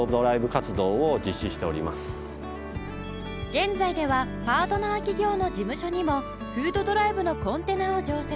現在ではパートナー企業の事務所にもフードドライブのコンテナを常設